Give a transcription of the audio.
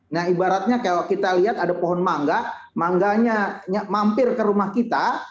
nah ibaratnya kalau kita lihat ada pohon mangga mangganya mampir ke rumah kita